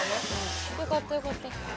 よかったよかった。